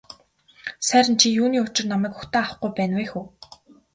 Сайран чи юуны учир намайг угтан авахгүй байна вэ хө.